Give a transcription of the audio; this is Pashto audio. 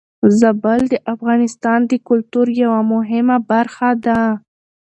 زابل د افغانستان د کلتور يوه مهمه برخه ده.